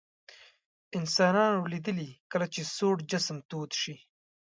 انسانانو لیدلي کله چې سوړ جسم تود شي.